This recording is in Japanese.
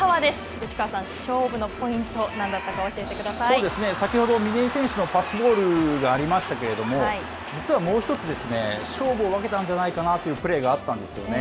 内川さん、勝負のポイントは先ほど嶺井選手のパスボールがありましたけれども、実はもうひとつですね、勝負を分けたんじゃないかなというプレーがあったんですよね。